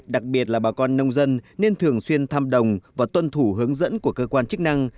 đặc biệt là bà con nông dân nên thường xuyên thăm đồng và tuân thủ hướng dẫn của cơ quan chức năng